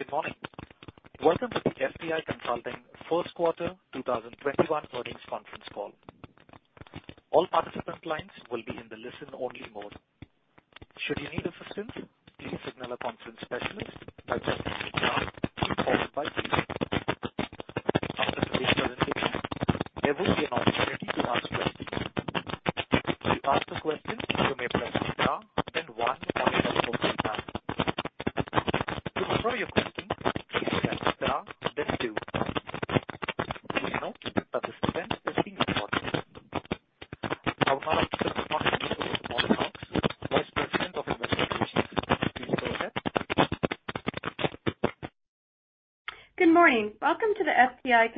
I will now turn the conference over to Mollie Hawkes, Vice President, Investor Relations. Please go ahead. Good morning. Welcome to the FTI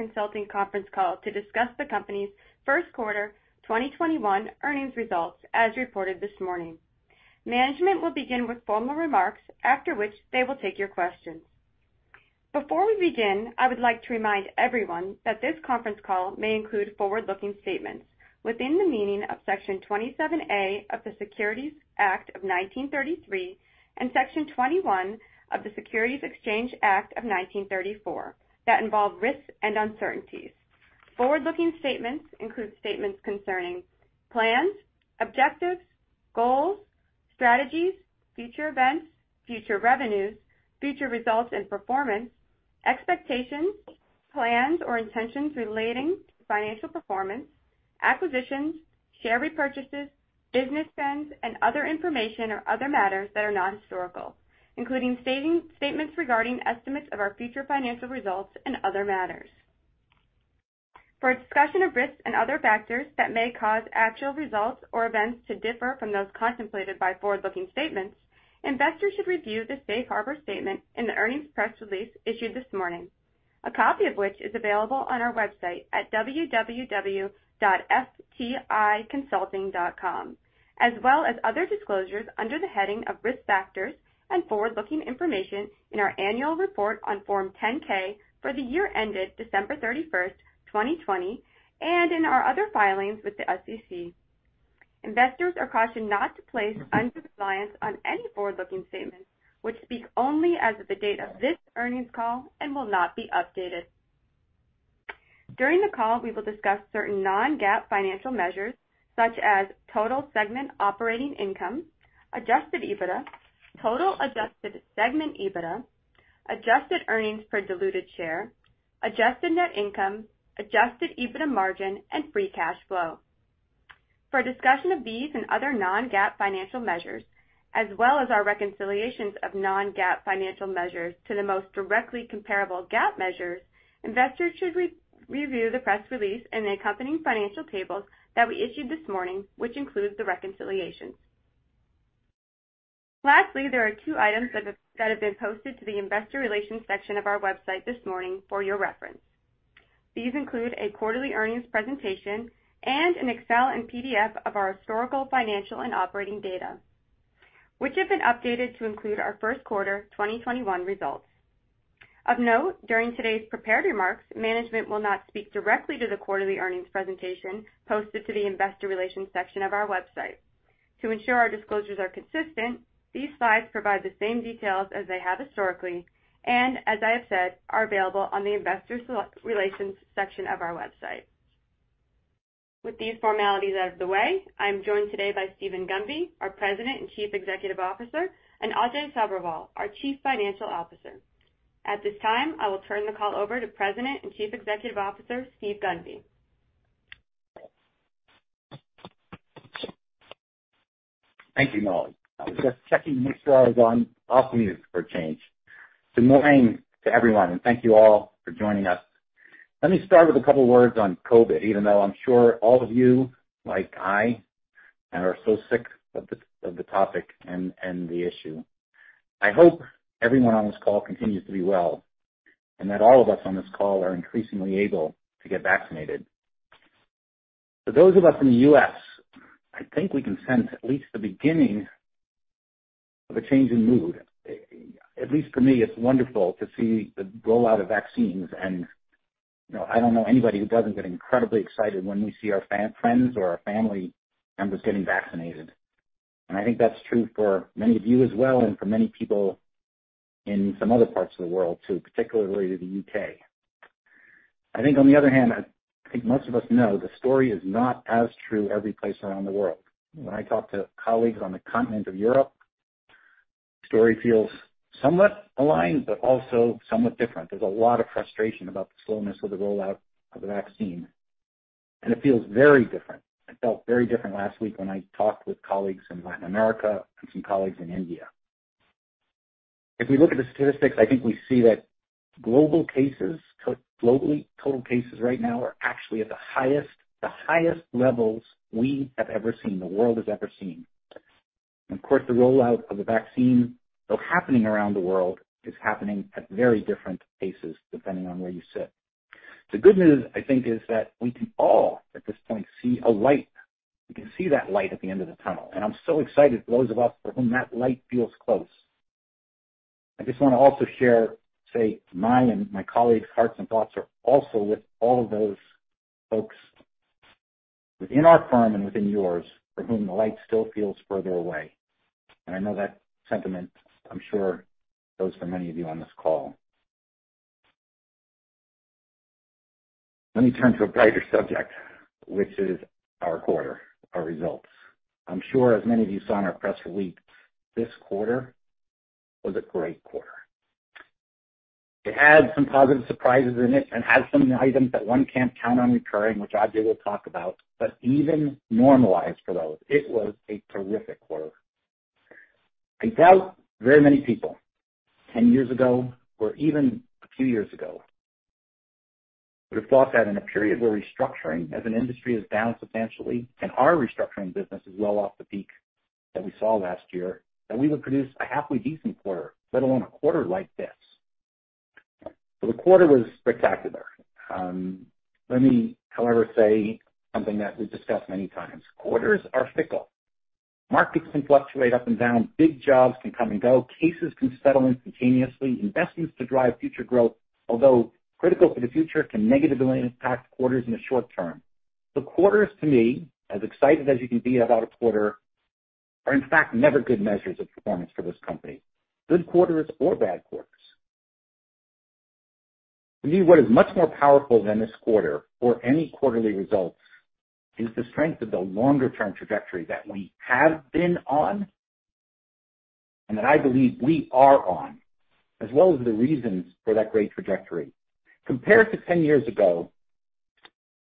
Consulting conference call to discuss the company's first quarter 2021 earnings results, as reported this morning. Management will begin with formal remarks, after which they will take your questions. Before we begin, I would like to remind everyone that this conference call may include forward-looking statements within the meaning of Section 27A of the Securities Act of 1933 and Section 21 of the Securities Exchange Act of 1934 that involve risks and uncertainties. Forward-looking statements include statements concerning plans, objectives, goals, strategies, future events, future revenues, future results and performance, expectations, plans, or intentions relating to financial performance, acquisitions, share repurchases, business trends, and other information or other matters that are not historical, including statements regarding estimates of our future financial results and other matters. For a discussion of risks and other factors that may cause actual results or events to differ from those contemplated by forward-looking statements, investors should review the safe harbor statement in the earnings press release issued this morning, a copy of which is available on our website at www.fticonsulting.com, as well as other disclosures under the heading of Risk Factors and Forward-Looking Information in our annual report on Form 10-K for the year ended December 31st, 2020, and in our other filings with the SEC. Investors are cautioned not to place undue reliance on any forward-looking statements which speak only as of the date of this earnings call and will not be updated. During the call, we will discuss certain non-GAAP financial measures such as total segment operating income, adjusted EBITDA, total adjusted segment EBITDA, adjusted earnings per diluted share, adjusted net income, adjusted EBITDA margin, and free cash flow. For a discussion of these and other non-GAAP financial measures, as well as our reconciliations of non-GAAP financial measures to the most directly comparable GAAP measures, investors should review the press release and the accompanying financial tables that we issued this morning, which include the reconciliations. Lastly, there are two items that have been posted to the investor relations section of our website this morning for your reference. These include a quarterly earnings presentation and an Excel and PDF of our historical, financial, and operating data, which have been updated to include our first quarter 2021 results. Of note, during today's prepared remarks, management will not speak directly to the quarterly earnings presentation posted to the investor relations section of our website. To ensure our disclosures are consistent, these slides provide the same details as they have historically and as I have said, are available on the investor relations section of our website. With these formalities out of the way, I am joined today by Steven Gunby, our President and Chief Executive Officer, and Ajay Sabherwal, our Chief Financial Officer. At this time, I will turn the call over to President and Chief Executive Officer, Steve Gunby. Thank you, Mollie. I was just checking to make sure I was on off mute for a change. Good morning to everyone, and thank you all for joining us. Let me start with a couple words on COVID, even though I'm sure all of you, like I, are so sick of the topic and the issue. I hope everyone on this call continues to be well, and that all of us on this call are increasingly able to get vaccinated. For those of us in the U.S., I think we can sense at least the beginning of a change in mood. At least for me, it's wonderful to see the rollout of vaccines, and I don't know anybody who doesn't get incredibly excited when we see our friends or our family members getting vaccinated. I think that's true for many of you as well, and for many people in some other parts of the world, too, particularly the U.K. I think on the other hand, I think most of us know the story is not as true every place around the world. When I talk to colleagues on the continent of Europe, the story feels somewhat aligned, but also somewhat different. There's a lot of frustration about the slowness of the rollout of the vaccine, and it feels very different. It felt very different last week when I talked with colleagues in Latin America and some colleagues in India. If we look at the statistics, I think we see that global cases, globally total cases right now are actually at the highest levels we have ever seen, the world has ever seen. Of course, the rollout of the vaccine, though happening around the world, is happening at very different paces depending on where you sit. The good news, I think, is that we can all, at this point, see a light. We can see that light at the end of the tunnel. I'm so excited for those of us for whom that light feels close. I just want to also share, say my and my colleagues' hearts and thoughts are also with all of those folks within our firm and within yours, for whom the light still feels further away. I know that sentiment, I'm sure, goes for many of you on this call. Let me turn to a brighter subject, which is our quarter, our results. I'm sure, as many of you saw in our press release, this quarter was a great quarter. It had some positive surprises in it and had some items that one can't count on recurring, which Ajay will talk about. Even normalized for those, it was a terrific quarter. I doubt very many people, 10 years ago or even a few years ago, would have thought that in a period where restructuring as an industry is down substantially and our restructuring business is well off the peak that we saw last year, that we would produce a halfway decent quarter, let alone a quarter like this. The quarter was spectacular. Let me, however, say something that we've discussed many times. Quarters are fickle. Markets can fluctuate up and down. Big jobs can come and go. Cases can settle instantaneously. Investments to drive future growth, although critical for the future, can negatively impact quarters in the short term. Quarters to me, as excited as you can be about a quarter, are in fact never good measures of performance for this company, good quarters or bad quarters. To me, what is much more powerful than this quarter or any quarterly results is the strength of the longer-term trajectory that we have been on and that I believe we are on, as well as the reasons for that great trajectory. Compared to 10 years ago,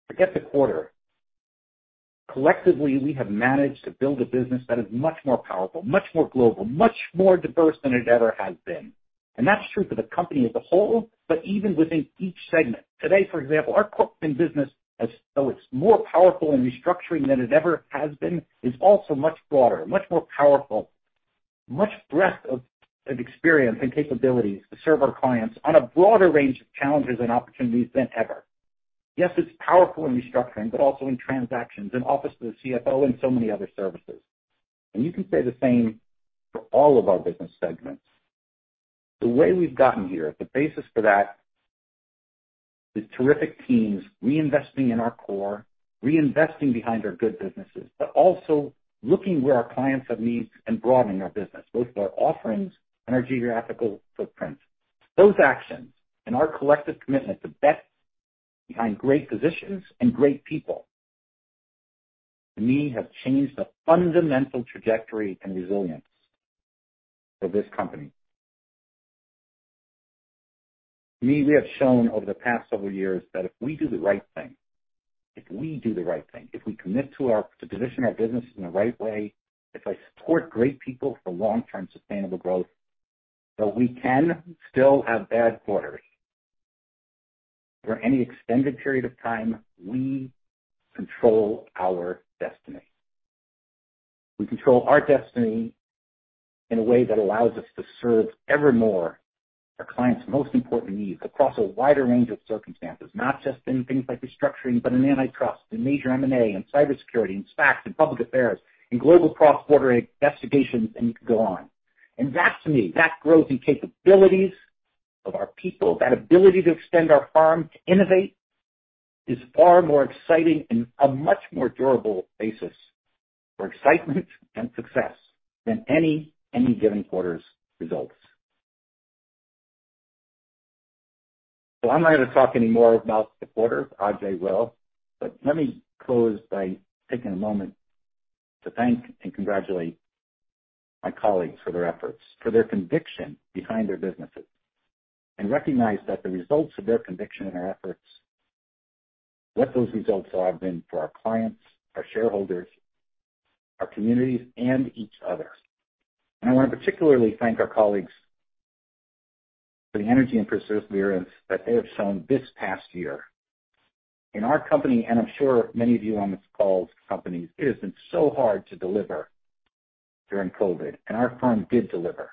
forget the quarter. Collectively, we have managed to build a business that is much more powerful, much more global, much more diverse than it ever has been. That's true for the company as a whole, but even within each segment. Today, for example, our corporate finance business, as though it's more powerful in restructuring than it ever has been, is also much broader and much more powerful, much breadth of experience and capabilities to serve our clients on a broader range of challenges and opportunities than ever. Yes, it's powerful in restructuring, but also in transactions, in office of the CFO, and so many other services. You can say the same for all of our business segments. The way we've gotten here, the basis for that is terrific teams reinvesting in our core, reinvesting behind our good businesses, but also looking where our clients have needs and broadening our business, both our offerings and our geographical footprints. Those actions and our collective commitment to bet behind great positions and great people, to me, have changed the fundamental trajectory and resilience for this company. To me, we have shown over the past several years that if we do the right thing, if we do the right thing, if we commit to position our business in the right way, if I support great people for long-term sustainable growth, though we can still have bad quarters, over any extended period of time, we control our destiny. We control our destiny in a way that allows us to serve ever more our clients' most important needs across a wider range of circumstances. Not just in things like restructuring, but in antitrust, in major M&A, in cybersecurity, in SPACs, in public affairs, in global cross-border investigations, and you could go on. That to me, that growth and capabilities of our people, that ability to extend our firm to innovate is far more exciting and a much more durable basis for excitement and success than any given quarter's results. I'm not going to talk anymore about the quarter. Ajay will. Let me close by taking a moment to thank and congratulate my colleagues for their efforts, for their conviction behind their businesses, and recognize that the results of their conviction and their efforts, what those results have been for our clients, our shareholders, our communities, and each other. I want to particularly thank our colleagues for the energy and perseverance that they have shown this past year. In our company, and I'm sure many of you on this call's companies, it has been so hard to deliver during COVID, and our firm did deliver.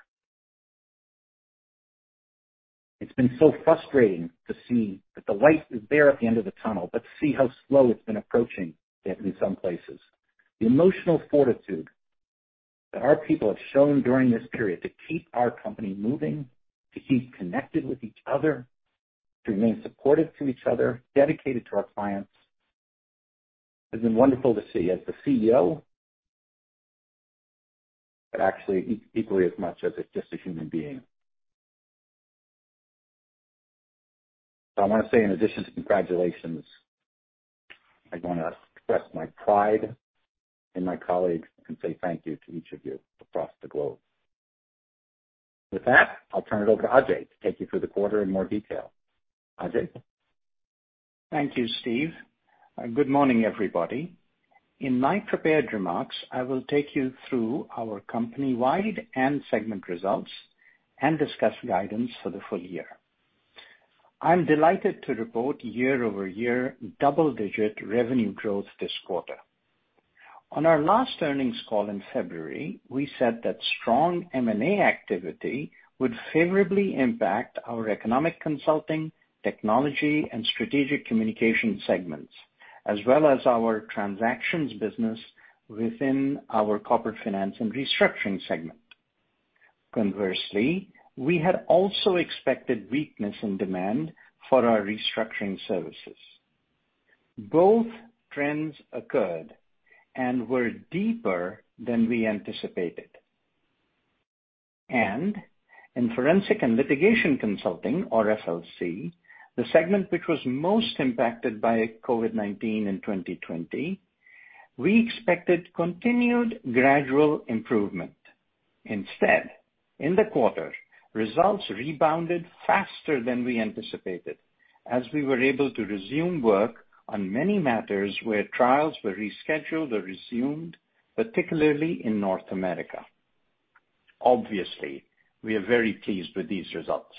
It's been so frustrating to see that the light is there at the end of the tunnel, but see how slow it's been approaching it in some places. The emotional fortitude that our people have shown during this period to keep our company moving, to keep connected with each other, to remain supportive to each other, dedicated to our clients, has been wonderful to see as the CEO, but actually equally as much as just a human being. I want to say, in addition to congratulations, I want to express my pride in my colleagues and say thank you to each of you across the globe. With that, I'll turn it over to Ajay to take you through the quarter in more detail. Ajay? Thank you, Steve. Good morning, everybody. In my prepared remarks, I will take you through our company-wide and segment results and discuss guidance for the full year. I'm delighted to report year-over-year double-digit revenue growth this quarter. On our last earnings call in February, we said that strong M&A activity would favorably impact our Economic Consulting, Technology, and Strategic Communications segments, as well as our transactions business within our Corporate Finance & Restructuring segment. Conversely, we had also expected weakness in demand for our restructuring services. Both trends occurred and were deeper than we anticipated. In Forensic and Litigation Consulting, or FLC, the segment which was most impacted by COVID-19 in 2020, we expected continued gradual improvement. Instead, in the quarter, results rebounded faster than we anticipated as we were able to resume work on many matters where trials were rescheduled or resumed, particularly in North America. Obviously, we are very pleased with these results.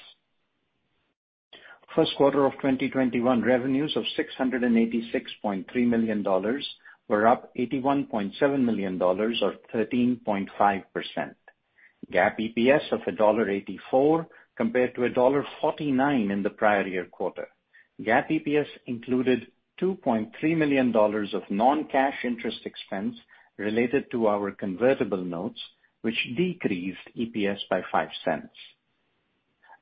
First quarter of 2021 revenues of $686.3 million were up $81.7 million or 13.5%. GAAP EPS of $1.84 compared to $1.49 in the prior year quarter. GAAP EPS included $2.3 million of non-cash interest expense related to our convertible notes, which decreased EPS by $0.05.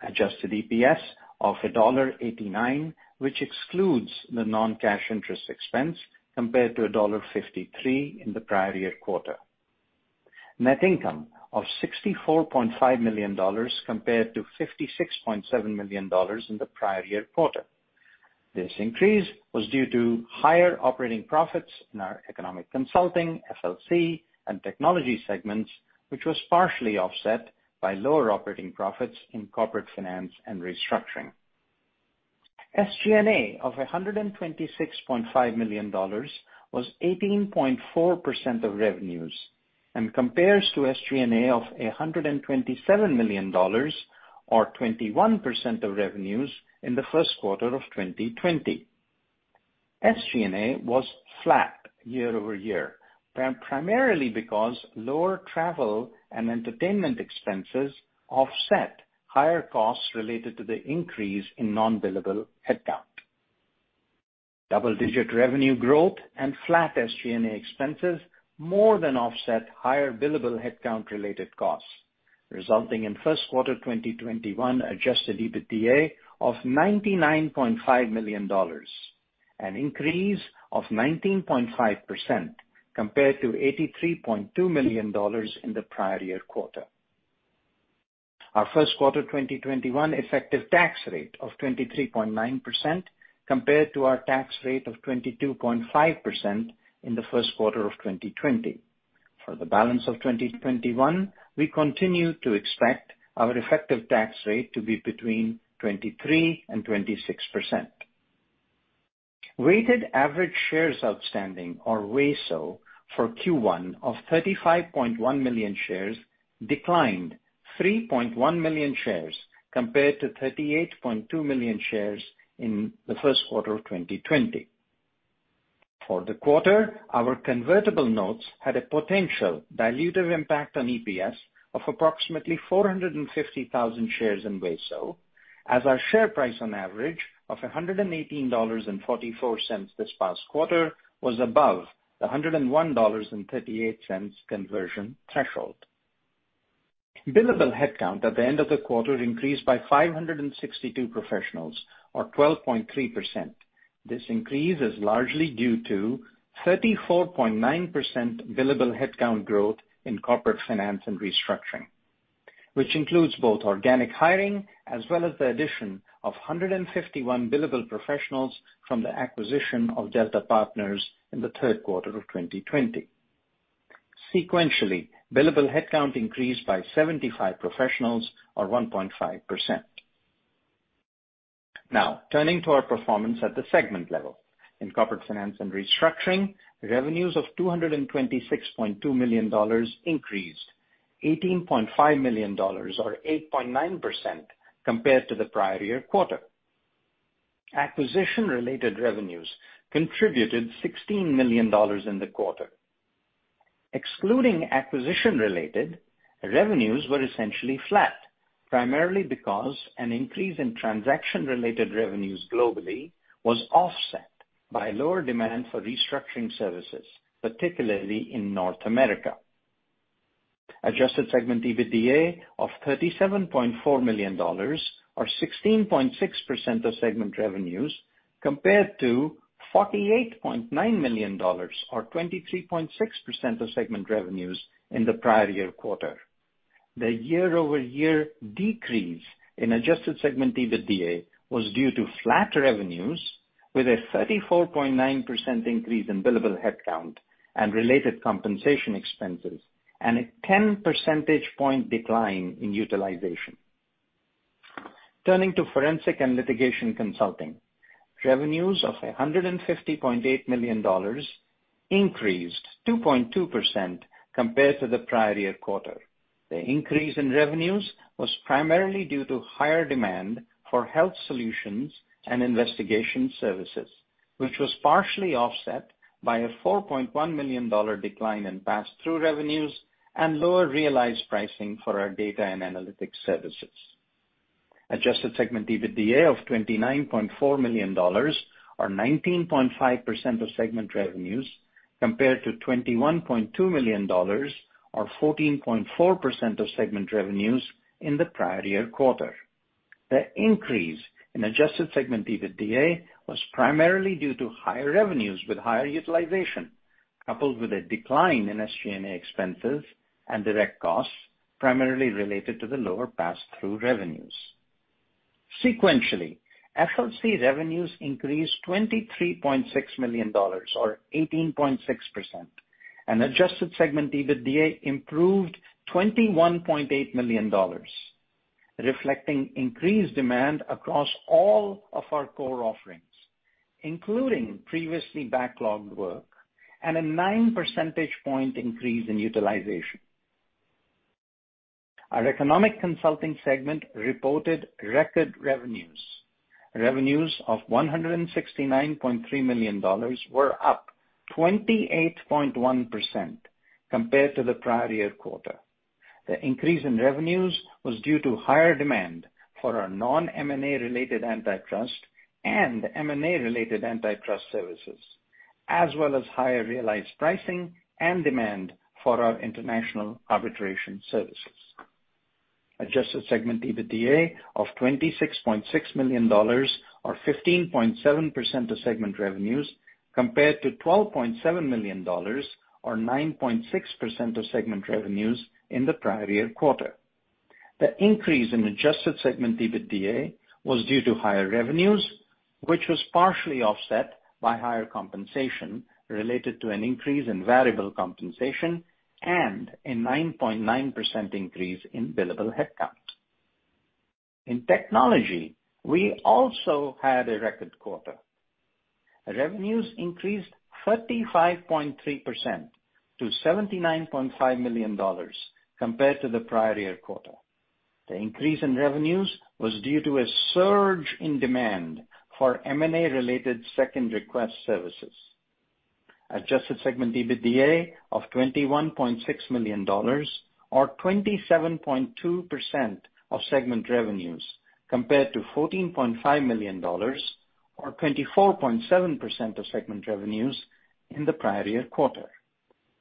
Adjusted EPS of $1.89, which excludes the non-cash interest expense compared to $1.53 in the prior year quarter. Net income of $64.5 million compared to $56.7 million in the prior year quarter. This increase was due to higher operating profits in our Economic Consulting, FLC, and Technology segments, which was partially offset by lower operating profits in Corporate Finance & Restructuring. SG&A of $126.5 million was 18.4% of revenues and compares to SG&A of $127 million, or 21% of revenues in the first quarter of 2020. SG&A was flat year-over-year, primarily because lower travel and entertainment expenses offset higher costs related to the increase in non-billable headcount. Double-digit revenue growth and flat SG&A expenses more than offset higher billable headcount related costs, resulting in first quarter 2021 adjusted EBITDA of $99.5 million, an increase of 19.5% compared to $83.2 million in the prior year quarter. Our first quarter 2021 effective tax rate of 23.9% compared to our tax rate of 22.5% in the first quarter of 2020. For the balance of 2021, we continue to expect our effective tax rate to be between 23% and 26%. Weighted average shares outstanding, or WASO, for Q1 of 35.1 million shares declined 3.1 million shares compared to 38.2 million shares in the first quarter of 2020. For the quarter, our convertible notes had a potential dilutive impact on EPS of approximately 450,000 shares in WASO, as our share price on average of $118.44 this past quarter was above the $101.38 conversion threshold. Billable headcount at the end of the quarter increased by 562 professionals or 12.3%. This increase is largely due to 34.9% billable headcount growth in Corporate Finance & Restructuring, which includes both organic hiring as well as the addition of 151 billable professionals from the acquisition of Delta Partners in the third quarter of 2020. Sequentially, billable headcount increased by 75 professionals or 1.5%. Turning to our performance at the segment level. In Corporate Finance & Restructuring, revenues of $226.2 million increased, $18.5 million or 8.9% compared to the prior year quarter. Acquisition-related revenues contributed $16 million in the quarter. Excluding acquisition-related, revenues were essentially flat, primarily because an increase in transaction-related revenues globally was offset by lower demand for restructuring services, particularly in North America. Adjusted segment EBITDA of $37.4 million or 16.6% of segment revenues compared to $48.9 million or 23.6% of segment revenues in the prior year quarter. The year-over-year decrease in adjusted segment EBITDA was due to flat revenues with a 34.9% increase in billable headcount and related compensation expenses, and a 10 percentage point decline in utilization. Turning to Forensic and Litigation Consulting. Revenues of $150.8 million increased 2.2% compared to the prior year quarter. The increase in revenues was primarily due to higher demand for health solutions and investigation services, which was partially offset by a $4.1 million decline in pass-through revenues and lower realized pricing for our data and analytics services. Adjusted segment EBITDA of $29.4 million, or 19.5% of segment revenues, compared to $21.2 million, or 14.4% of segment revenues in the prior year quarter. The increase in adjusted segment EBITDA was primarily due to higher revenues with higher utilization, coupled with a decline in SG&A expenses and direct costs primarily related to the lower pass-through revenues. Sequentially, FLC revenues increased $23.6 million or 18.6%. Adjusted segment EBITDA improved $21.8 million, reflecting increased demand across all of our core offerings, including previously backlogged work, and a nine percentage point increase in utilization. Our Economic Consulting segment reported record revenues. Revenues of $169.3 million were up 28.1% compared to the prior year quarter. The increase in revenues was due to higher demand for our non-M&A related antitrust and M&A related antitrust services, as well as higher realized pricing and demand for our international arbitration services. Adjusted segment EBITDA of $26.6 million or 15.7% of segment revenues compared to $12.7 million or 9.6% of segment revenues in the prior year quarter. The increase in adjusted segment EBITDA was due to higher revenues, which was partially offset by higher compensation related to an increase in variable compensation and a 9.9% increase in billable headcount. In Technology, we also had a record quarter. Revenues increased 35.3% to $79.5 million compared to the prior year quarter. The increase in revenues was due to a surge in demand for M&A related second request services. Adjusted segment EBITDA of $21.6 million or 27.2% of segment revenues, compared to $14.5 million or 24.7% of segment revenues in the prior year quarter.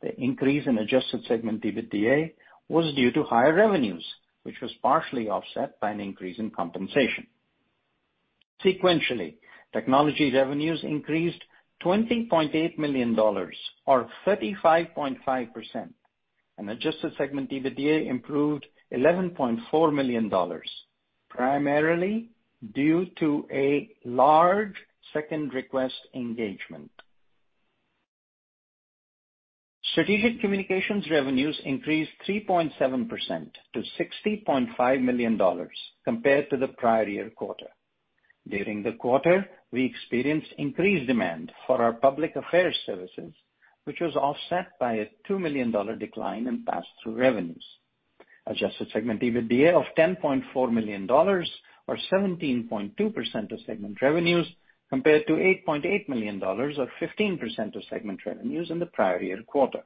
The increase in adjusted segment EBITDA was due to higher revenues, which was partially offset by an increase in compensation. Sequentially, Technology revenues increased $20.8 million or 35.5%, and adjusted segment EBITDA improved $11.4 million, primarily due to a large second request engagement. Strategic Communications revenues increased 3.7% to $60.5 million compared to the prior year quarter. During the quarter, we experienced increased demand for our public affairs services, which was offset by a $2 million decline in pass-through revenues. Adjusted segment EBITDA of $10.4 million or 17.2% of segment revenues compared to $8.8 million or 15% of segment revenues in the prior year quarter.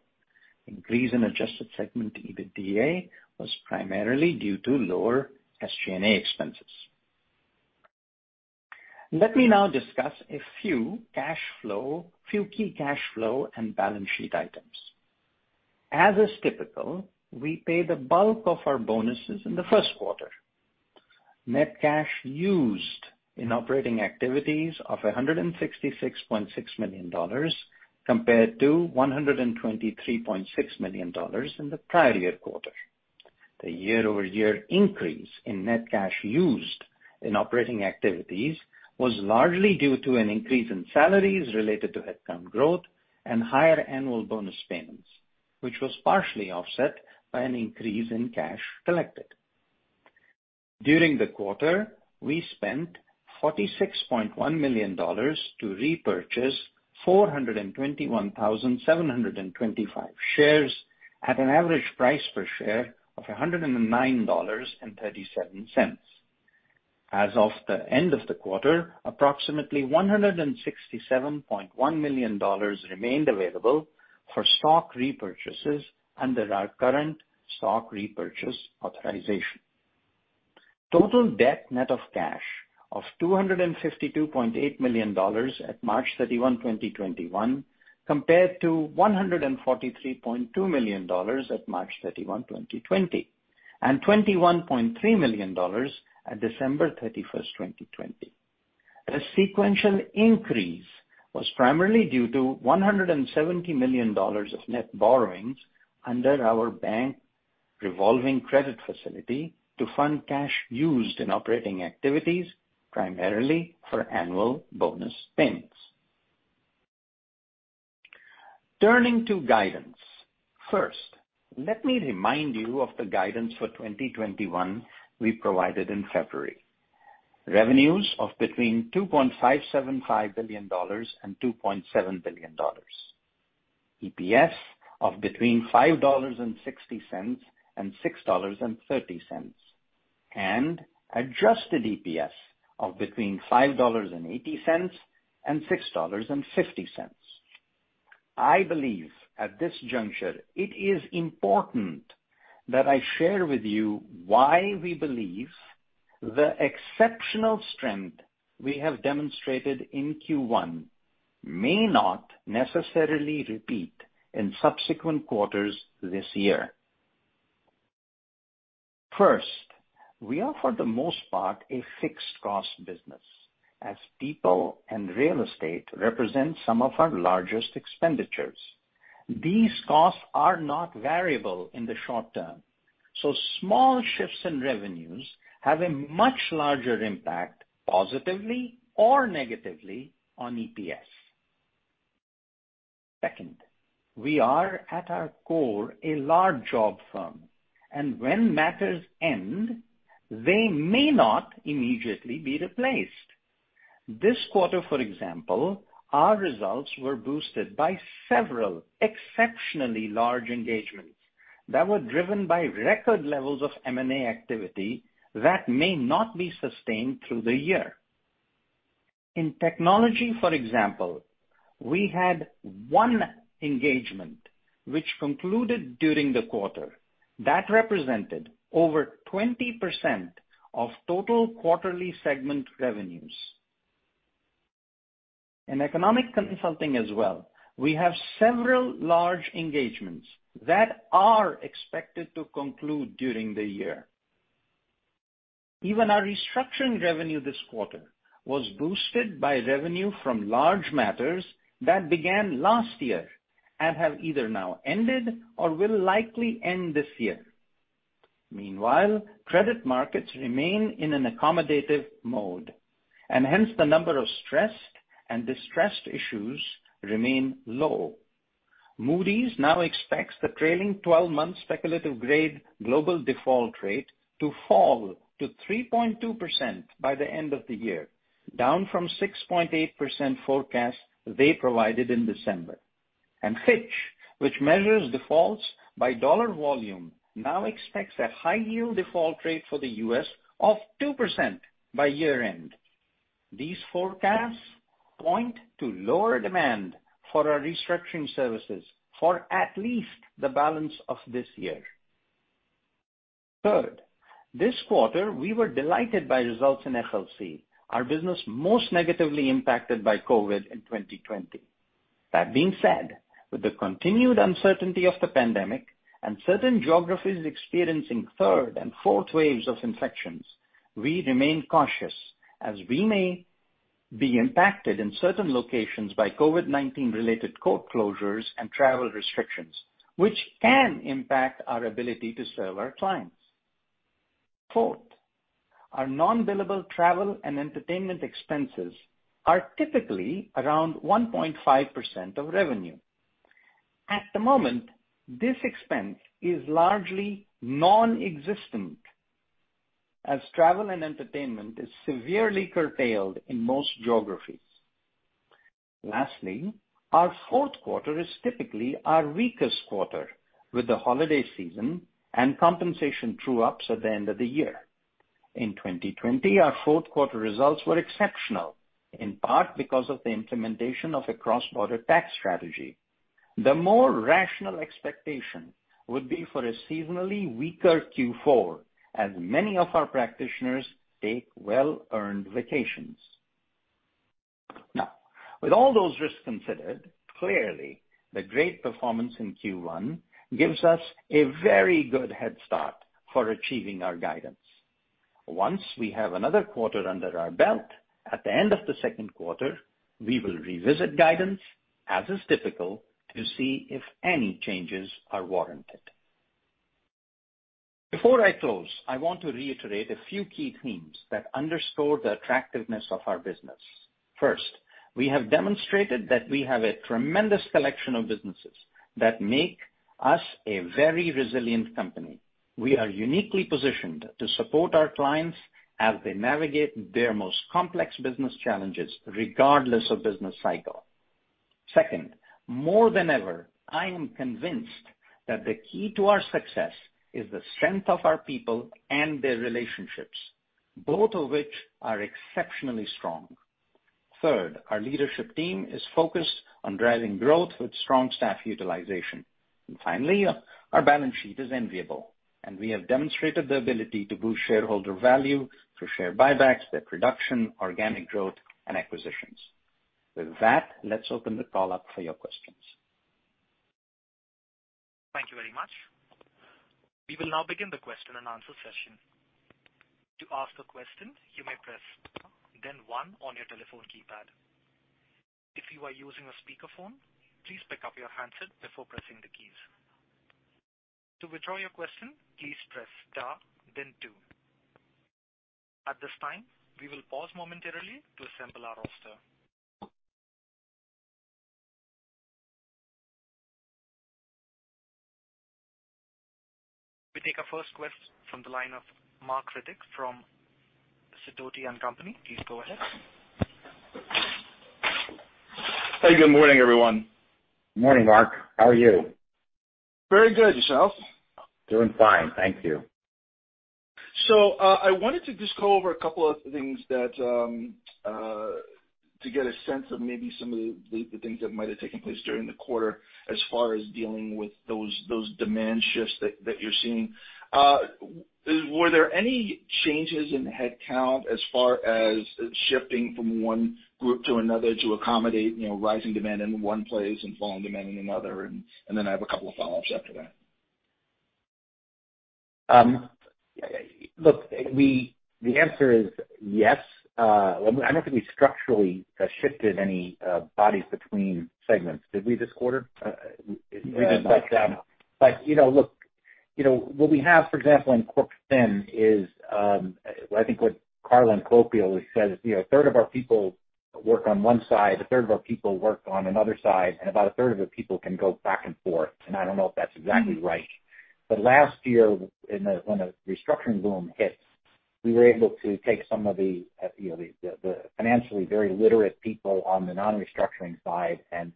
Increase in adjusted segment EBITDA was primarily due to lower SG&A expenses. Let me now discuss a few key cash flow and balance sheet items. As is typical, we pay the bulk of our bonuses in the first quarter. Net cash used in operating activities of $166.6 million compared to $123.6 million in the prior year quarter. The year-over-year increase in net cash used in operating activities was largely due to an increase in salaries related to headcount growth and higher annual bonus payments, which was partially offset by an increase in cash collected. During the quarter, we spent $46.1 million to repurchase 421,725 shares at an average price per share of $109.37. As of the end of the quarter, approximately $167.1 million remained available for stock repurchases under our current stock repurchase authorization. Total debt net of cash of $252.8 million at March 31, 2021, compared to $143.2 million at March 31, 2020, and $21.3 million at December 31st, 2020. The sequential increase was primarily due to $170 million of net borrowings under our bank revolving credit facility to fund cash used in operating activities primarily for annual bonus payments. Turning to guidance. First, let me remind you of the guidance for 2021 we provided in February. Revenues of between $2.575 billion and $2.7 billion. EPS of between $5.60 and $6.30. Adjusted EPS of between $5.80 and $6.50. I believe at this juncture, it is important that I share with you why we believe the exceptional strength we have demonstrated in Q1 may not necessarily repeat in subsequent quarters this year. First, we are, for the most part, a fixed cost business, as people and real estate represent some of our largest expenditures. These costs are not variable in the short term, so small shifts in revenues have a much larger impact, positively or negatively, on EPS. Second, we are, at our core, a large job firm, and when matters end, they may not immediately be replaced. This quarter, for example, our results were boosted by several exceptionally large engagements that were driven by record levels of M&A activity that may not be sustained through the year. In Technology, for example, we had one engagement which concluded during the quarter that represented over 20% of total quarterly segment revenues. In Economic Consulting as well, we have several large engagements that are expected to conclude during the year. Even our restructuring revenue this quarter was boosted by revenue from large matters that began last year and have either now ended or will likely end this year. Meanwhile, credit markets remain in an accommodative mode, and hence the number of stressed and distressed issues remain low. Moody's now expects the trailing 12-month speculative-grade global default rate to fall to 3.2% by the end of the year, down from 6.8% forecast they provided in December. Fitch, which measures defaults by dollar volume, now expects a high-yield default rate for the U.S. of 2% by year-end. These forecasts point to lower demand for our restructuring services for at least the balance of this year. Third, this quarter, we were delighted by results in FLC, our business most negatively impacted by COVID in 2020. That being said, with the continued uncertainty of the pandemic and certain geographies experiencing third and fourth waves of infections, we remain cautious as we may be impacted in certain locations by COVID-19 related court closures and travel restrictions, which can impact our ability to serve our clients. Fourth, our non-billable travel and entertainment expenses are typically around 1.5% of revenue. At the moment, this expense is largely non-existent as travel and entertainment is severely curtailed in most geographies. Lastly, our fourth quarter is typically our weakest quarter, with the holiday season and compensation true-ups at the end of the year. In 2020, our fourth quarter results were exceptional, in part because of the implementation of a cross-border tax strategy. The more rational expectation would be for a seasonally weaker Q4, as many of our practitioners take well-earned vacations. With all those risks considered, clearly the great performance in Q1 gives us a very good head start for achieving our guidance. Once we have another quarter under our belt at the end of the second quarter, we will revisit guidance, as is typical, to see if any changes are warranted. Before I close, I want to reiterate a few key themes that underscore the attractiveness of our business. First, we have demonstrated that we have a tremendous collection of businesses that make us a very resilient company. We are uniquely positioned to support our clients as they navigate their most complex business challenges, regardless of business cycle. Second, more than ever, I am convinced that the key to our success is the strength of our people and their relationships, both of which are exceptionally strong. Third, our leadership team is focused on driving growth with strong staff utilization. Finally, our balance sheet is enviable, and we have demonstrated the ability to boost shareholder value through share buybacks, debt reduction, organic growth, and acquisitions. With that, let's open the call up for your questions. Thank you very much. We will now begin the question and answer session. To ask a question, you may press star, then one on your telephone keypad. If you are using a speakerphone, please pick up your handset before pressing the keys. To withdraw your question, please press star, then two. At this time, we will pause momentarily to assemble our roster. We take our first question from the line of Marc Riddick from Sidoti & Company. Please go ahead. Hey, good morning, everyone. Morning, Marc. How are you? Very good. Yourself? Doing fine. Thank you. I wanted to just go over a couple of things to get a sense of maybe some of the things that might have taken place during the quarter as far as dealing with those demand shifts that you're seeing. Were there any changes in headcount as far as shifting from one group to another to accommodate rising demand in one place and falling demand in another? I have a couple of follow-ups after that. Look, the answer is yes. I don't think we structurally shifted any bodies between segments. Did we this quarter? We did not. Look, what we have, for example, in Corp Fin is, I think what Carla and Copio says, a third of our people work on one side, a third of our people work on another side, and about a third of the people can go back and forth. I don't know if that's exactly right. Last year when the restructuring boom hit, we were able to take some of the financially very literate people on the non-restructuring side and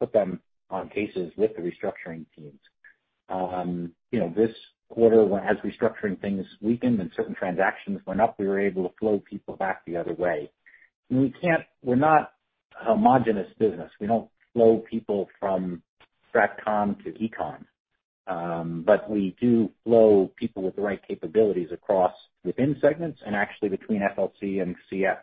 put them on cases with the restructuring teams. This quarter, as restructuring things weakened and certain transactions went up, we were able to flow people back the other way. We're not a homogenous business. We don't flow people from StratComm to Econ. We do flow people with the right capabilities across within segments and actually between FLC and CF.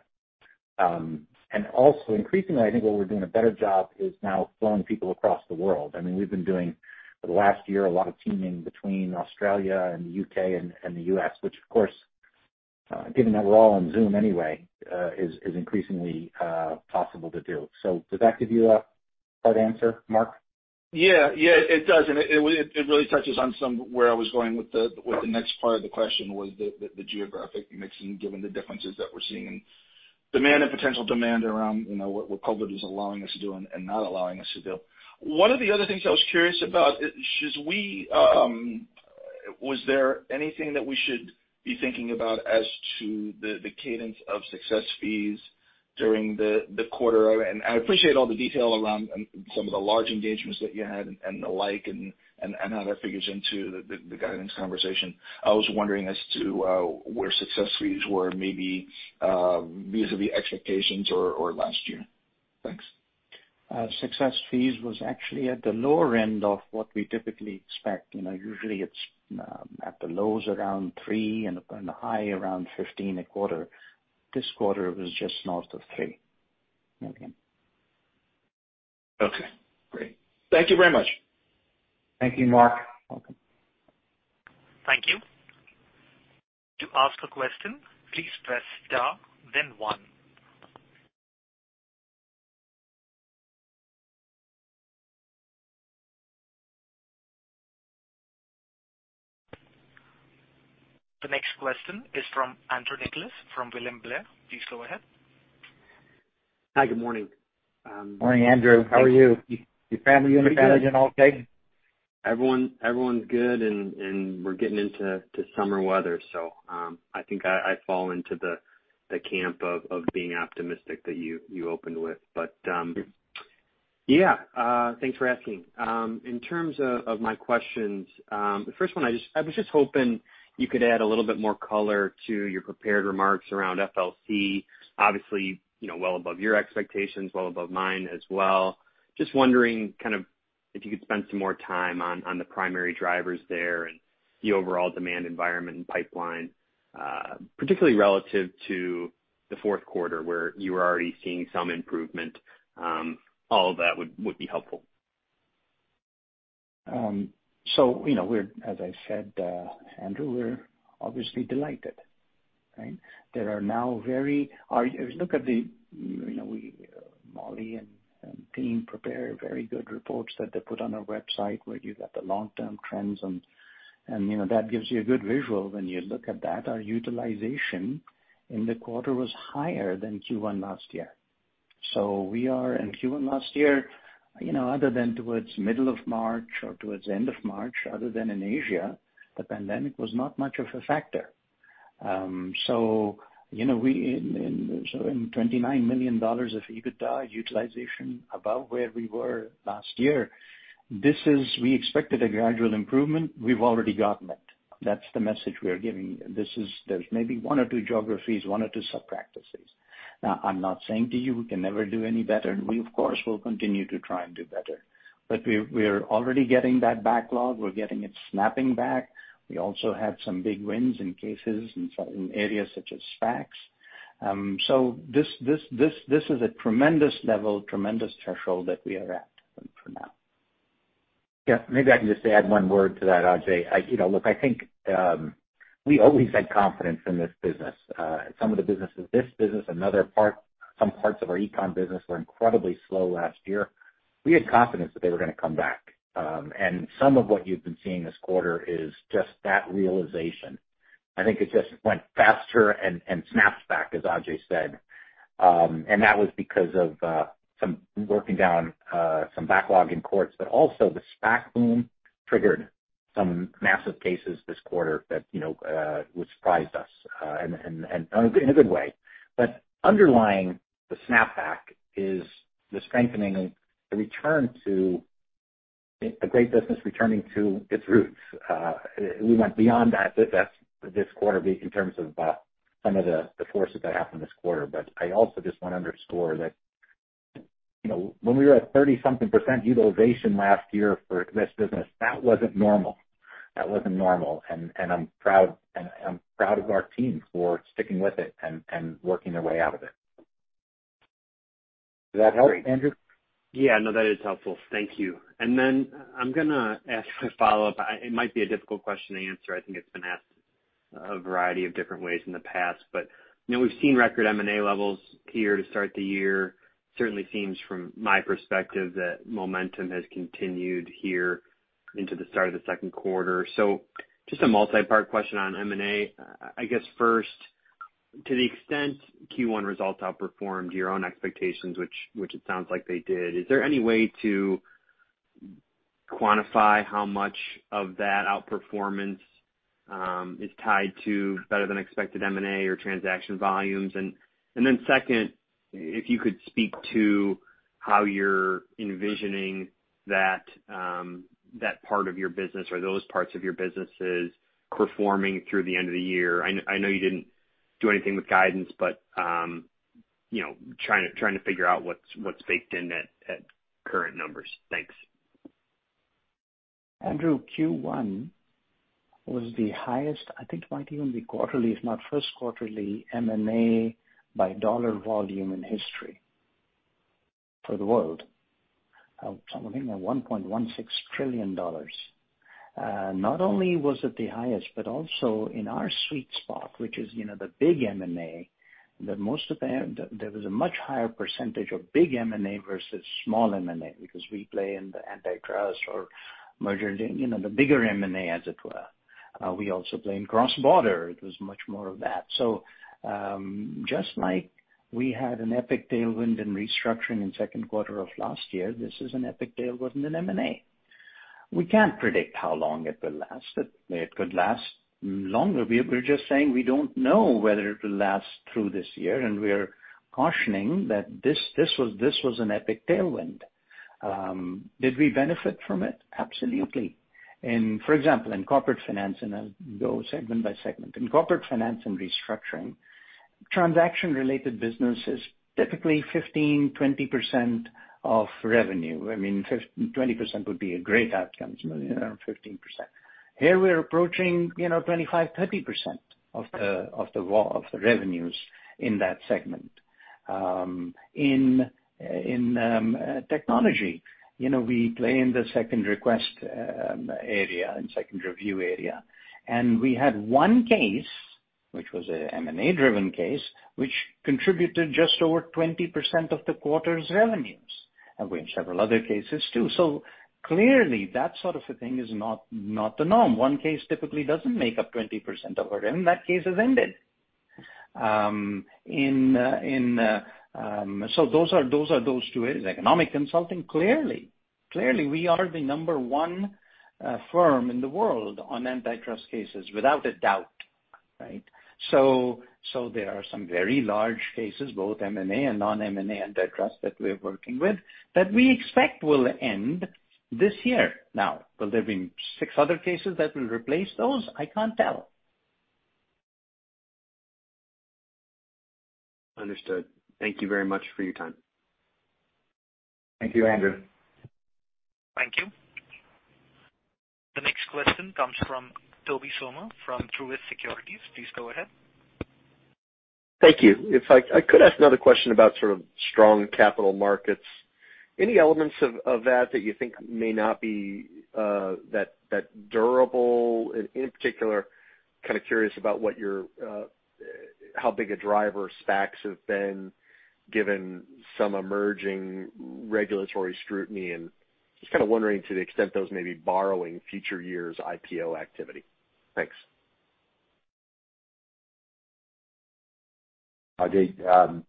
Also, increasingly, I think where we're doing a better job is now flowing people across the world. We've been doing for the last year, a lot of teaming between Australia and the U.K. and the U.S., which of course, given that we're all on Zoom anyway, is increasingly possible to do. Does that give you a part answer, Marc? Yeah. It does. It really touches on where I was going with the next part of the question was the geographic mixing, given the differences that we're seeing in demand and potential demand around what COVID is allowing us to do and not allowing us to do. One of the other things I was curious about, was there anything that we should be thinking about as to the cadence of success fees during the quarter? I appreciate all the detail around some of the large engagements that you had and the like, and how that figures into the guidance conversation. I was wondering as to where success fees were maybe vis-a-vis expectations or last year. Thanks. Success fees was actually at the lower end of what we typically expect. Usually, it's at the lows around $3 and the high around $15 a quarter. This quarter was just north of $3 million. Okay, great. Thank you very much. Thank you, Marc. Thank you. To ask a question, please press star then one. The next question is from Andrew Nicholas from William Blair. Please go ahead. Hi, good morning. Morning, Andrew. How are you? Your family unit managing okay? Everyone's good, and we're getting into summer weather, so I think I fall into the camp of being optimistic that you opened with. Yeah, thanks for asking. In terms of my questions, the first one, I was just hoping you could add a little bit more color to your prepared remarks around FLC. Obviously, well above your expectations, well above mine as well. Just wondering if you could spend some more time on the primary drivers there and the overall demand environment and pipeline, particularly relative to the fourth quarter where you were already seeing some improvement. All of that would be helpful. As I said, Andrew, we're obviously delighted, right? If you look at Mollie and team prepare very good reports that they put on our website where you got the long-term trends and that gives you a good visual when you look at that. Our utilization in the quarter was higher than Q1 last year. We are in Q1 last year, other than towards middle of March or towards end of March, other than in Asia, the pandemic was not much of a factor. In $29 million of EBITDA utilization above where we were last year. We expected a gradual improvement. We've already gotten it. That's the message we are giving. There's maybe one or two geographies, one or two sub-practices. I'm not saying to you we can never do any better. We of course, will continue to try and do better. We're already getting that backlog. We're getting it snapping back. We also had some big wins in cases in certain areas such as SPACs. This is a tremendous level, tremendous threshold that we are at for now. Yeah. Maybe I can just add one word to that, Ajay. I think, we always had confidence in this business. Some of the businesses, this business, another part, some parts of our Econ business were incredibly slow last year. We had confidence that they were going to come back. Some of what you've been seeing this quarter is just that realization. I think it just went faster and snapped back, as Ajay said. That was because of working down some backlog in courts, but also the SPAC boom triggered some massive cases this quarter that surprised us in a good way. Underlying the snapback is the strengthening, the return to a great business returning to its roots. We went beyond that this quarter in terms of some of the forces that happened this quarter. I also just want to underscore that when we were at 30%-something utilization last year for this business, that wasn't normal. That wasn't normal. I'm proud of our team for sticking with it and working their way out of it. Does that help, Andrew? Yeah. No, that is helpful. Thank you. I'm going to ask a follow-up. It might be a difficult question to answer. I think it's been asked a variety of different ways in the past. We've seen record M&A levels here to start the year. Certainly seems from my perspective that momentum has continued here into the start of the second quarter. Just a multi-part question on M&A. I guess first, to the extent Q1 results outperformed your own expectations, which it sounds like they did, is there any way to quantify how much of that outperformance is tied to better than expected M&A or transaction volumes? Second, if you could speak to how you're envisioning that part of your business or those parts of your businesses performing through the end of the year. I know you didn't do anything with guidance, but trying to figure out what's baked in at current numbers. Thanks. Andrew, Q1 was the highest, I think it might even be quarterly, if not first quarterly M&A by dollar volume in history for the world. Something like $1.16 trillion. Not only was it the highest, but also in our sweet spot, which is the big M&A, there was a much higher percentage of big M&A versus small M&A because we play in the antitrust or merger, the bigger M&A, as it were. We also play in cross-border. It was much more of that. Just like we had an epic tailwind in restructuring in second quarter of last year, this is an epic tailwind in M&A. We can't predict how long it will last. It could last longer. We're just saying we don't know whether it'll last through this year, and we're cautioning that this was an epic tailwind. Did we benefit from it? Absolutely. For example, in Corporate Finance, I'll go segment by segment. In Corporate Finance & Restructuring, transaction-related business is typically 15%, 20% of revenue. I mean, 20% would be a great outcome, around 15%. Here we are approaching 25%, 30% of the revenues in that segment. In Technology, we play in the second request area and second review area. We had one case, which was a M&A-driven case, which contributed just over 20% of the quarter's revenues. We have several other cases too. Clearly, that sort of a thing is not the norm. One case typically doesn't make up 20% of our revenue. That case has ended. Economic Consulting, clearly, we are the number one firm in the world on antitrust cases, without a doubt, right? There are some very large cases, both M&A and non-M&A antitrust that we're working with that we expect will end this year now. Will there be six other cases that will replace those? I can't tell. Understood. Thank you very much for your time. Thank you, Andrew. Thank you. The next question comes from Tobey Sommer from Truist Securities. Please go ahead. Thank you. If I could ask another question about sort of strong capital markets. Any elements of that that you think may not be that durable? In particular, kind of curious about how big a driver SPACs have been given some emerging regulatory scrutiny, and just kind of wondering to the extent those may be borrowing future years' IPO activity. Thanks.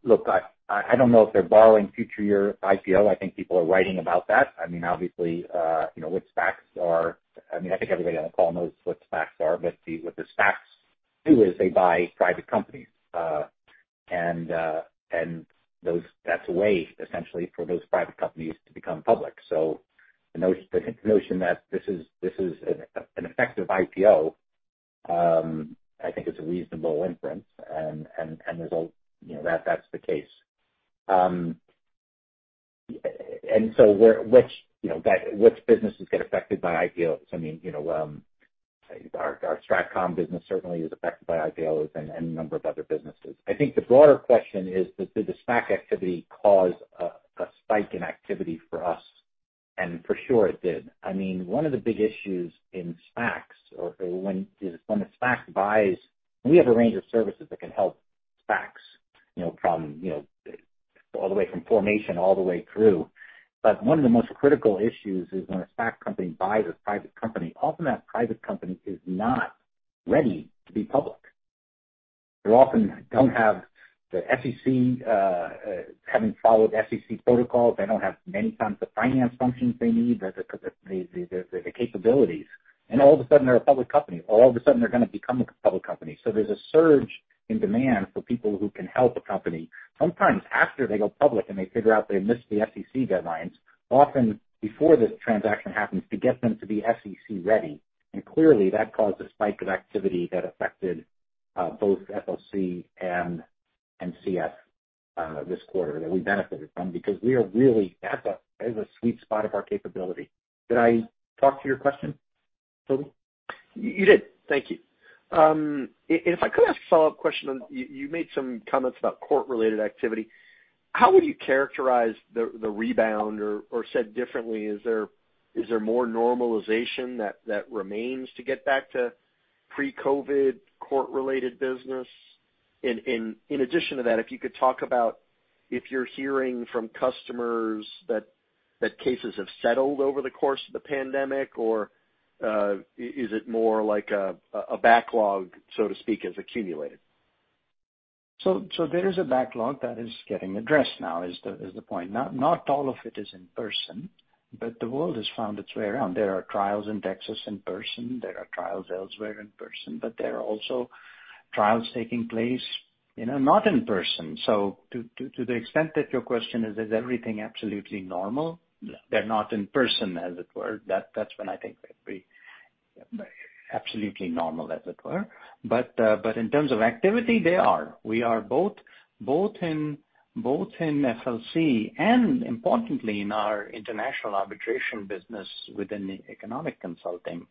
Look, I don't know if they're borrowing future year IPO. I think people are writing about that. Obviously, what SPACs are, I think everybody on the call knows what SPACs are, but what the SPACs do is they buy private companies. That's a way, essentially, for those private companies to become public. The notion that this is an effective IPO, I think is a reasonable inference, and that's the case. Which businesses get affected by IPOs? Our StratComm business certainly is affected by IPOs and a number of other businesses. I think the broader question is, did the SPAC activity cause a spike in activity for us? For sure it did. One of the big issues in SPACs is when a SPAC buys. We have a range of services that can help SPACs all the way from formation all the way through. One of the most critical issues is when a SPAC company buys a private company, often that private company is not ready to be public. They often haven't followed SEC protocols. They don't have many times the finance functions they need, the capabilities. All of a sudden they're a public company, or all of a sudden they're going to become a public company. There's a surge in demand for people who can help a company, sometimes after they go public and they figure out they missed the SEC deadlines, often before the transaction happens, to get them to be SEC ready. Clearly that caused a spike of activity that affected both FLC and CF this quarter that we benefited from because that is a sweet spot of our capability. Did I talk to your question, Tobey? You did. Thank you. If I could ask a follow-up question. You made some comments about court-related activity. How would you characterize the rebound or, said differently, is there more normalization that remains to get back to pre-COVID court-related business? In addition to that, if you could talk about if you're hearing from customers that cases have settled over the course of the pandemic, or is it more like a backlog, so to speak, has accumulated? There is a backlog that is getting addressed now is the point. Not all of it is in person, but the world has found its way around. There are trials in Texas in person. There are trials elsewhere in person, but there are also trials taking place not in person. To the extent that your question is everything absolutely normal? They're not in person, as it were. That's when I think they'd be absolutely normal, as it were. In terms of activity, they are. We are both in FLC and importantly in our international arbitration business within the Economic Consulting,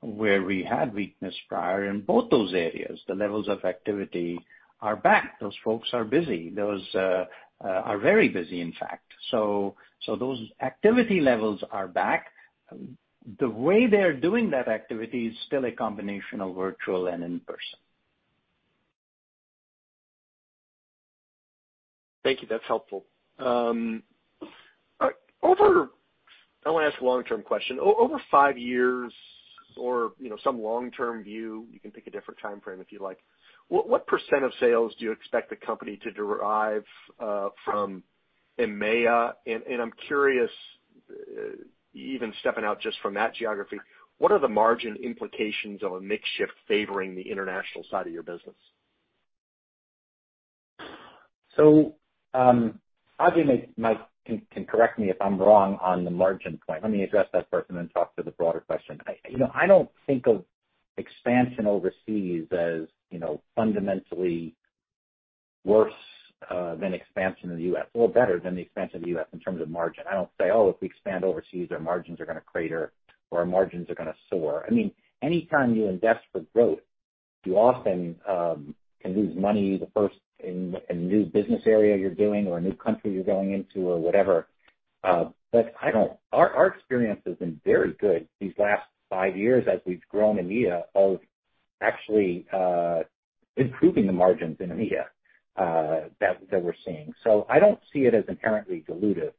where we had weakness prior in both those areas. The levels of activity are back. Those folks are busy. Those are very busy, in fact. Those activity levels are back. The way they're doing that activity is still a combination of virtual and in-person. Thank you. That's helpful. I want to ask a long-term question. Over five years or some long-term view, you can pick a different time frame if you'd like. What percent of sales do you expect the company to derive from EMEA? I'm curious, even stepping out just from that geography, what are the margin implications of a mix shift favoring the international side of your business? Ajay can correct me if I'm wrong on the margin point. Let me address that first and then talk to the broader question. I don't think of expansion overseas as fundamentally worse than expansion in the U.S., or better than the expansion of the U.S. in terms of margin. I don't say, "Oh, if we expand overseas, our margins are going to crater or our margins are going to soar." Anytime you invest for growth, you often can lose money the first in a new business area you're doing or a new country you're going into or whatever. Our experience has been very good these last five years as we've grown EMEA of actually improving the margins in EMEA that we're seeing. I don't see it as inherently dilutive.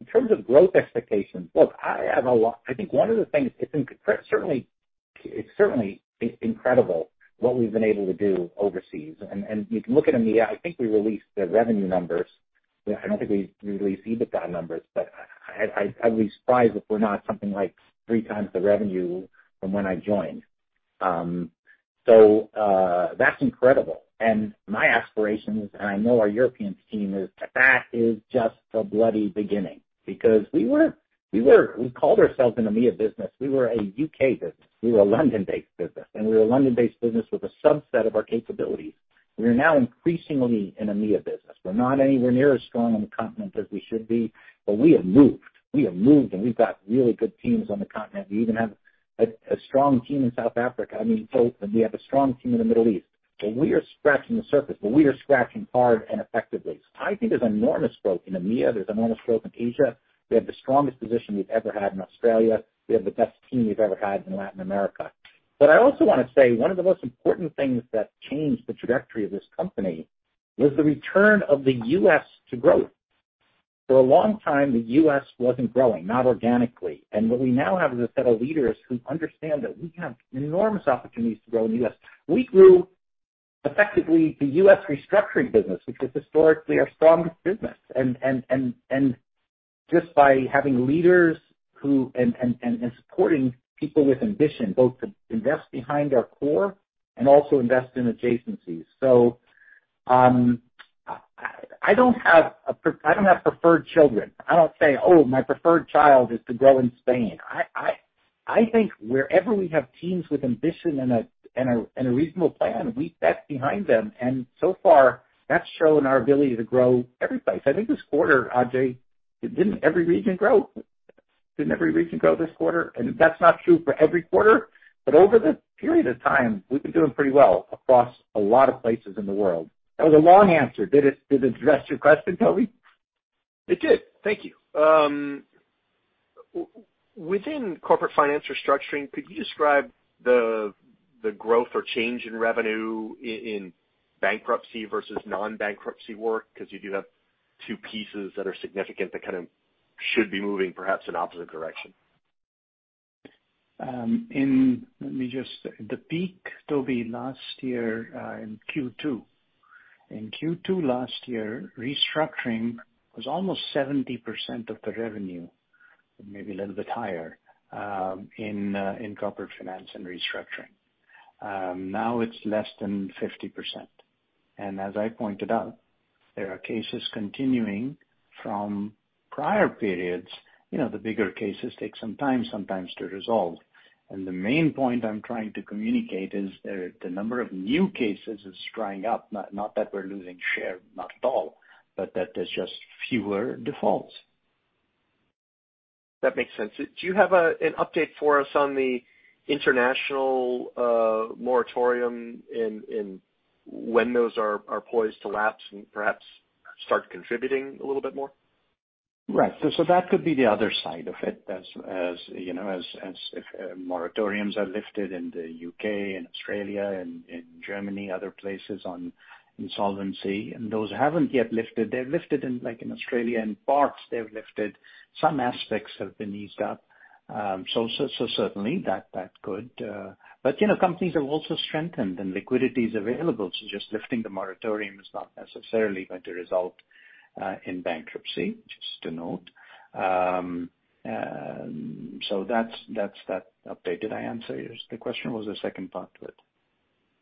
In terms of growth expectations, look, it's certainly incredible what we've been able to do overseas. You can look at EMEA, I think we released the revenue numbers. I don't think we released EBITDA numbers, but I'd be surprised if we're not something like three times the revenue from when I joined. That's incredible. My aspiration is, and I know our European team is, that is just the bloody beginning because we called ourselves an EMEA business. We were a U.K. business. We were a London-based business, and we were a London-based business with a subset of our capabilities. We are now increasingly an EMEA business. We're not anywhere near as strong on the continent as we should be, but we have moved. We have moved, and we've got really good teams on the continent. We even have a strong team in South Africa. We have a strong team in the Middle East. We are scratching the surface, but we are scratching hard and effectively. I think there's enormous growth in EMEA. There's enormous growth in Asia. We have the strongest position we've ever had in Australia. We have the best team we've ever had in Latin America. I also want to say one of the most important things that changed the trajectory of this company was the return of the U.S. to growth. For a long time, the U.S. wasn't growing, not organically. What we now have is a set of leaders who understand that we have enormous opportunities to grow in the U.S. We grew effectively the U.S. restructuring business, which is historically our strongest business. Just by having leaders and supporting people with ambition, both to invest behind our core and also invest in adjacencies. I don't have preferred children. I don't say, "Oh, my preferred child is to grow in Spain." I think wherever we have teams with ambition and a reasonable plan, we bet behind them. So far, that's shown our ability to grow every place. I think this quarter, Ajay, didn't every region grow? Didn't every region grow this quarter? That's not true for every quarter, but over this period of time, we've been doing pretty well across a lot of places in the world. That was a long answer. Did it address your question, Tobey? It did. Thank you. Within Corporate Finance & Restructuring, could you describe the growth or change in revenue in bankruptcy versus non-bankruptcy work? You do have two pieces that are significant that kind of should be moving perhaps in opposite direction. The peak, Tobey, last year in Q2 last year, restructuring was almost 70% of the revenue, maybe a little bit higher, in Corporate Finance & Restructuring. Now it's less than 50%. As I pointed out, there are cases continuing from prior periods. The bigger cases take some time to resolve. The main point I'm trying to communicate is the number of new cases is drying up. Not that we're losing share, not at all, but that there's just fewer defaults. That makes sense. Do you have an update for us on the international moratorium and when those are poised to lapse and perhaps start contributing a little bit more? Right. That could be the other side of it. As moratoriums are lifted in the U.K. and Australia and in Germany, other places on insolvency, and those haven't yet lifted. They've lifted in Australia, in parts, they've lifted. Some aspects have been eased up. But companies have also strengthened, and liquidity is available, just lifting the moratorium is not necessarily going to result in bankruptcy, just to note. That's that update. Did I answer the question, or was there a second part to it?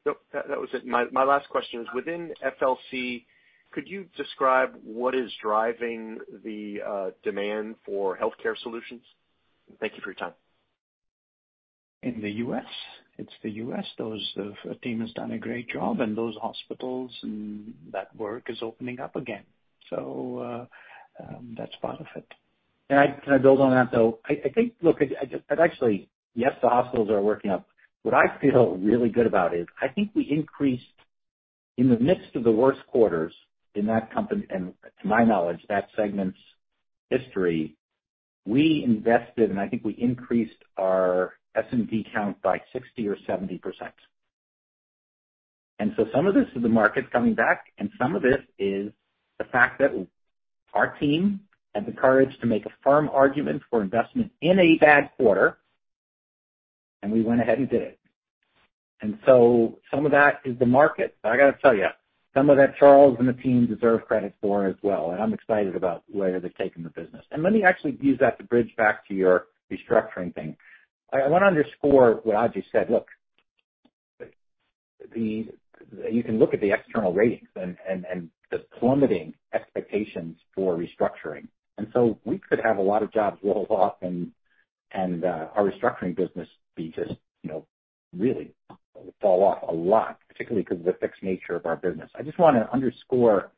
Nope, that was it. My last question is within FLC, could you describe what is driving the demand for healthcare solutions? Thank you for your time. In the U.S. It's the U.S. The team has done a great job, and those hospitals and that work is opening up again. That's part of it. Can I build on that, though? I think, look, Yes, the hospitals are working up. What I feel really good about is I think we increased in the midst of the worst quarters in that company, and to my knowledge, that segment's history, we invested, and I think we increased our SME count by 60% or 70%. Some of this is the market coming back, and some of it is the fact that our team had the courage to make a firm argument for investment in a bad quarter, and we went ahead and did it. Some of that is the market. I got to tell you, some of that Charles and the team deserve credit for as well, and I'm excited about where they're taking the business. Let me actually use that to bridge back to your restructuring thing. I want to underscore what Ajay said. Look, you can look at the external ratings and the plummeting expectations for restructuring. So we could have a lot of jobs roll off and our restructuring business be just really fall off a lot, particularly because of the fixed nature of our business. I just want to underscore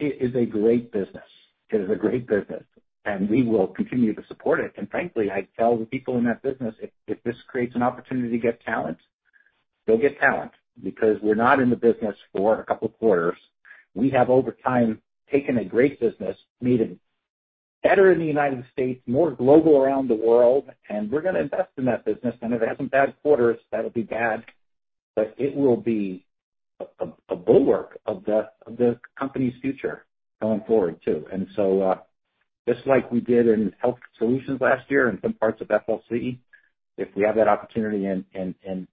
it is a great business. It is a great business, we will continue to support it. Frankly, I tell the people in that business, "If this creates an opportunity to get talent, go get talent," because we're not in the business for a couple of quarters. We have, over time, taken a great business, made it better in the U.S., more global around the world, we're going to invest in that business. If it has some bad quarters, that'll be bad. It will be a bulwark of the company's future going forward, too. Just like we did in health solutions last year and some parts of FLC, if we have that opportunity in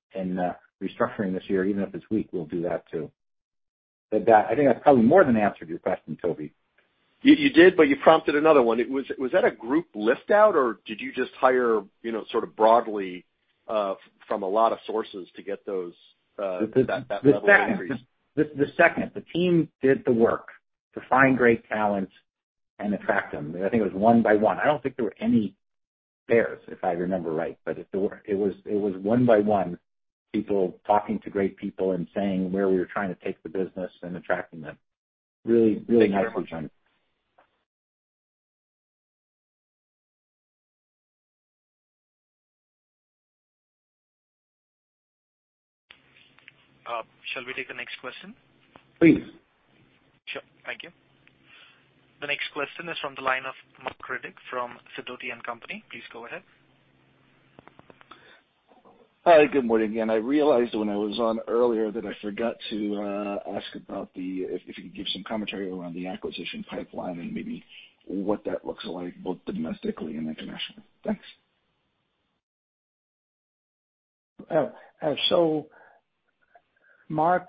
restructuring this year, even if it's weak, we'll do that too. I think I've probably more than answered your question, Tobey. You did, but you prompted another one. Was that a group lift-out, or did you just hire sort of broadly from a lot of sources to get that level of increase? The second. The team did the work to find great talent and attract them. I think it was one by one. I don't think there were any fairs, if I remember right, but it was one by one, people talking to great people and saying where we were trying to take the business and attracting them. Shall we take the next question? Please. Sure. Thank you. The next question is from the line of Marc Riddick from Sidoti & Company. Please go ahead. Hi, good morning again. I realized when I was on earlier that I forgot to ask about if you could give some commentary around the acquisition pipeline and maybe what that looks like both domestically and internationally? Thanks. Marc,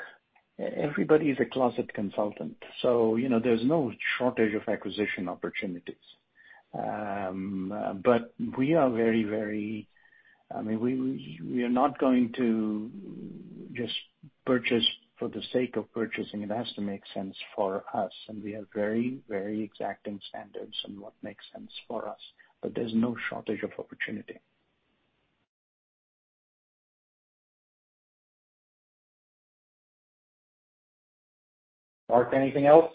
everybody is a closet consultant, so there's no shortage of acquisition opportunities. We are not going to just purchase for the sake of purchasing. It has to make sense for us, and we have very, very exacting standards on what makes sense for us. There's no shortage of opportunity. Marc, anything else?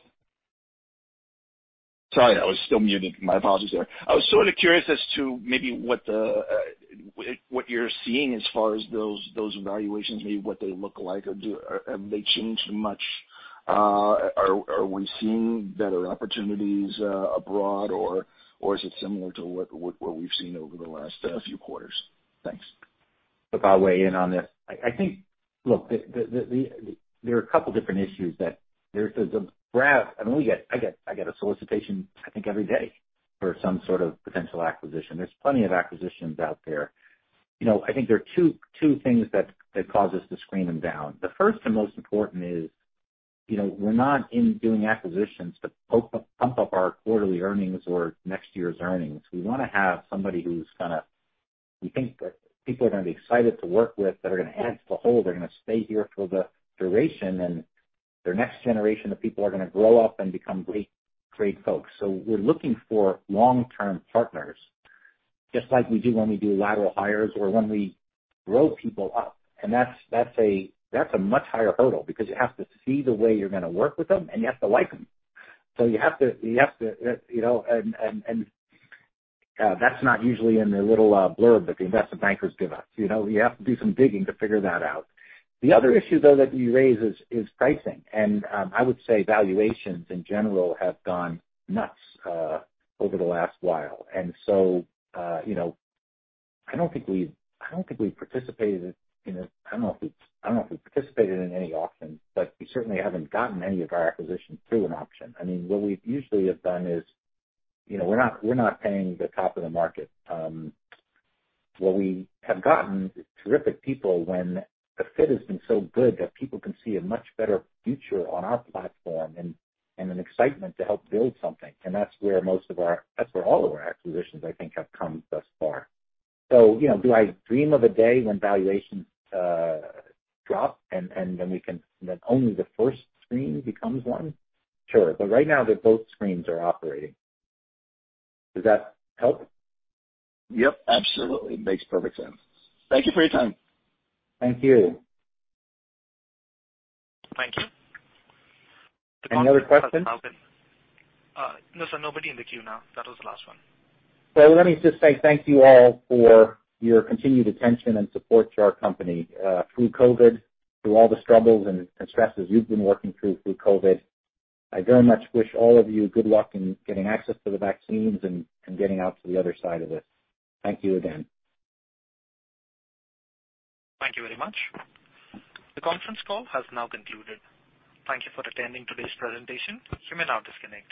Sorry, I was still muted. My apologies there. I was sort of curious as to maybe what you're seeing as far as those valuations, maybe what they look like. Have they changed much? Are we seeing better opportunities abroad, or is it similar to what we've seen over the last few quarters? Thanks. If I weigh in on this. I think. Look, there are a couple different issues that there's a graph. I get a solicitation, I think, every day for some sort of potential acquisition. There's plenty of acquisitions out there. I think there are two things that cause us to screen them down. The first and most important is, we're not in doing acquisitions to pump up our quarterly earnings or next year's earnings. We want to have somebody who we think that people are going to be excited to work with, that are going to add to the whole, they're going to stay here for the duration, and their next generation of people are going to grow up and become great folks. We're looking for long-term partners, just like we do when we do lateral hires or when we grow people up. That's a much higher hurdle because you have to see the way you're going to work with them, and you have to like them. That's not usually in the little blurb that the investment bankers give us. You have to do some digging to figure that out. The other issue, though, that you raise is pricing. I would say valuations in general have gone nuts over the last while. I don't think we've participated in any auctions, but we certainly haven't gotten any of our acquisitions through an auction. What we usually have done is we're not paying the top of the market. What we have gotten is terrific people when the fit has been so good that people can see a much better future on our platform and an excitement to help build something. That's where all of our acquisitions, I think, have come thus far. Do I dream of a day when valuations drop and then only the first screen becomes one? Sure. Right now both screens are operating. Does that help? Yep, absolutely. Makes perfect sense. Thank you for your time. Thank you. Thank you. Any other questions? No, sir. Nobody in the queue now. That was the last one. Well, let me just say thank you all for your continued attention and support to our company through COVID, through all the struggles and stresses you've been working through COVID. I very much wish all of you good luck in getting access to the vaccines and getting out to the other side of this. Thank you again. Thank you very much. The conference call has now concluded. Thank you for attending today's presentation. You may now disconnect.